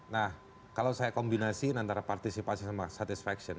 nah kalau saya kombinasi antara partisipasi sama satisfaction